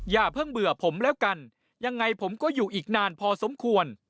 อย่าเพิ่งเบื่อผมแล้วกันยังไงผมก็อยู่อีกนานพอสมควร